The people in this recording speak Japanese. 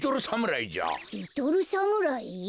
リトルサムライじゃ。